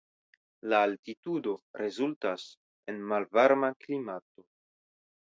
La altitudo rezultas en malvarma klimato.